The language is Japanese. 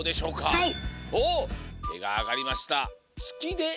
はい。